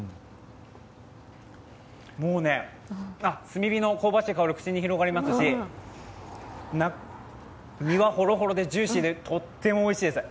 炭火の香ばしい香りが口に広がりますし、身はほろほろでジューシーで、とってもおいしい。